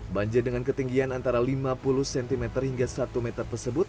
banjir dengan ketinggian antara lima puluh cm hingga satu meter tersebut